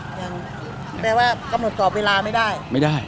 แปลว่าก็หมดตอบเวลาไม่ได้